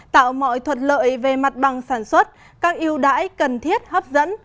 tạo mọi thuật lợi về mặt bằng sản xuất các yêu đãi cần thiết hấp dẫn